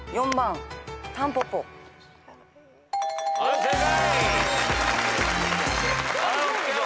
はい正解。